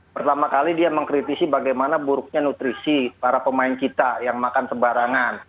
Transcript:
pertama kali dia mengkritisi bagaimana buruknya nutrisi para pemain kita yang makan sebarangan